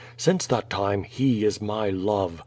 Since that time He is my love.